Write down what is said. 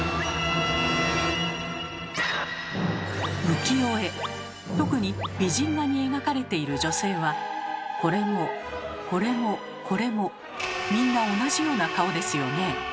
浮世絵特に美人画に描かれている女性はこれもこれもこれもみんな同じような顔ですよね。